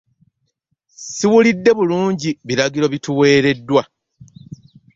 Siwulidde bulungi biragiro bituweereddwa.